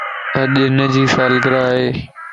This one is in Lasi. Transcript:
اڄ ھنجي سالگره ائي